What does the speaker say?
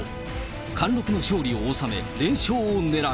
貫禄の勝利を収め、連勝を狙う。